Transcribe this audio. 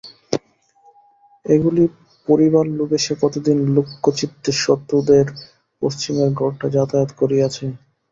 এগুলি পড়িবার লোভে সে কতদিন লুক্কচিত্তে সতুদের পশ্চিমের ঘরটায় যাতায়াত করিয়াছে।